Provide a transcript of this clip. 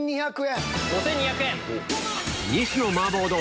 ５２００円。